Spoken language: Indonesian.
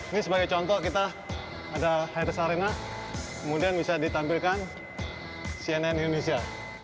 ini sebagai contoh kita ada highs arena kemudian bisa ditampilkan cnn indonesia